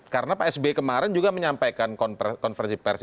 karena pak sby kemarin juga menyampaikan konversi persis